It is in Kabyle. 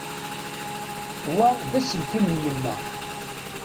Wa d aselkim n yemma.